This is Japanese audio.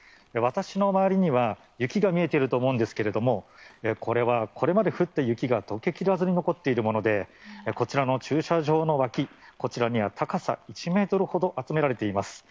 私の周りには、雪が見えていると思うんですけれども、これは、これまで降った雪がとけきらずに残っているもので、こちらの駐車場の脇、こちらには高さ１メートルほど集められています。